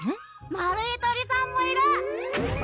丸い鳥さんもいる！